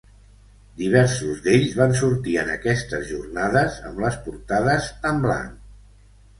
Diversos d'ells van sortir en aquestes jornades amb les portades en blanc.